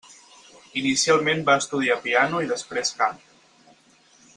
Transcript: Inicialment va estudiar piano i després cant.